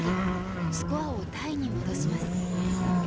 スコアをタイに戻します。